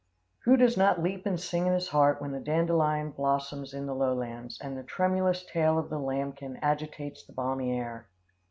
Who does not leap and sing in his heart when the dandelion blossoms in the low lands, and the tremulous tail of the lambkin agitates the balmy air?